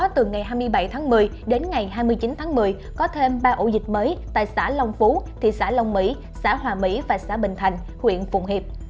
từ ngày hai mươi bảy tháng một mươi đến ngày hai mươi chín tháng một mươi có thêm ba ổ dịch mới tại xã long phú thị xã long mỹ xã hòa mỹ và xã bình thành huyện phụng hiệp